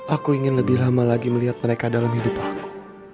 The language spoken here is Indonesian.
aku ingin lebih lama lagi melihat mereka dalam hidup aku